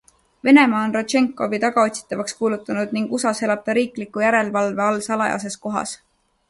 Venemaa on Rodtšenkovi tagaotsitavaks kuulutanud ning USAs elab ta riikliku järelevalve all salajases kohas.